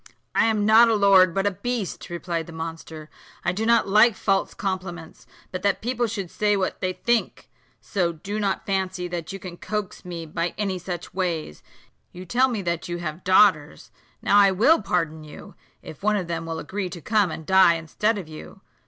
"I am not a lord, but a beast," replied the monster; "I do not like false compliments, but that people should say what they think: so do not fancy that you can coax me by any such ways. You tell me that you have daughters; now I will pardon you, if one of them will agree to come and die instead of you.